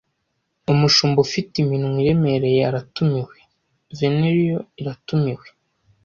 Umushumba ufite iminwa iremereye aratumiwe, venereal iratumiwe ;